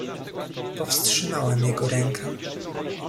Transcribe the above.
"Powstrzymałem jego rękę."